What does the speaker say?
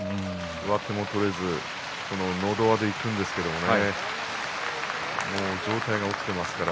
上手も取れずのど輪でいくんですけども上体が起きていました。